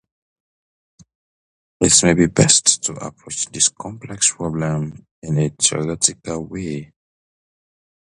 It may be best to approach this complex problem in a theoretical way.